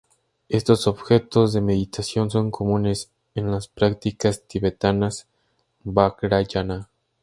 Estos objetos de meditación son comunes en las prácticas tibetanas Vajrayāna.